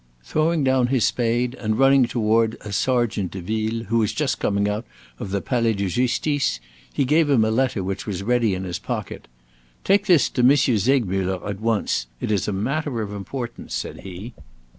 Throwing down his spade, and running toward a sergeant de ville, who was just coming out of the Palais de Justice, he gave him a letter which was ready in his pocket. "Take this to M. Segmuller at once; it is a matter of importance," said he.